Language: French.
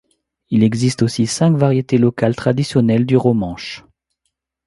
Il existe aussi cinq variétés locales traditionnelles du romanche.